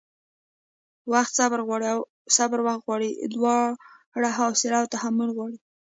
وخت صبر غواړي او صبر وخت غواړي؛ دواړه حوصله او تحمل غواړي